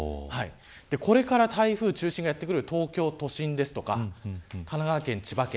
これから台風中心がやってくる東京都心ですとか神奈川県、千葉県